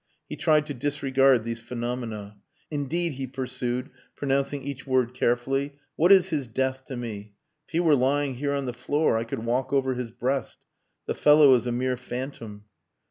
He tried to disregard these phenomena. "Indeed," he pursued, pronouncing each word carefully, "what is his death to me? If he were lying here on the floor I could walk over his breast.... The fellow is a mere phantom...."